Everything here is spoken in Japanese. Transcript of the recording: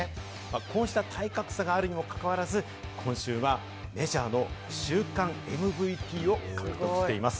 こうした体格差があるにもかかわらず、今週はメジャーの週間ＭＶＰを獲得しています。